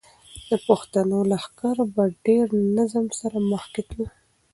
د پښتنو لښکر په ډېر نظم سره مخکې تلو.